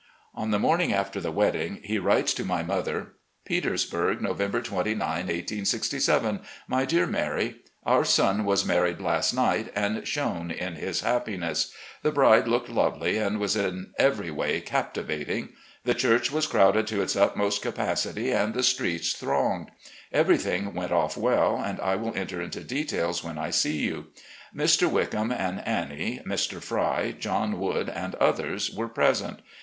On the morning after the wedding he writes to my mother: "Petersburg, November 29, 1867. " My Dear Mary: Our son was married last night and shone in his happiness. The bride looked lovely and was. 288 RECOLLECTIONS OF GENERAL LEE in every way, captivating. The church was crowded to its utmost capacity, and the streets thronged. Every thing went off well, and I will enter into details when I see you. Mr. Wickham and Annie, Mr. Fry, John Wood, and others were present.